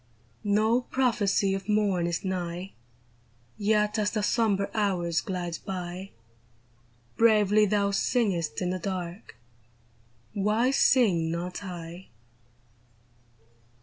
^o prophecy of morn is nigh ; Yet as the sombre hours glide by, Bravely thou singest in the dark — Why sing not I